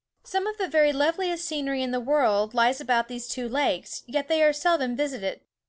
Some of the very loveliest scenery in the world lies about these two lakes, yet they are seldom visited.